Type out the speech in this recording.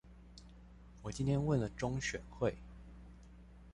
我今天問了中選會